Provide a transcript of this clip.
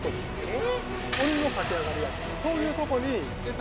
え！